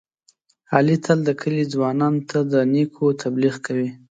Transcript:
علي تل د کلي ځوانانو ته د نېکو تبلیغ کوي.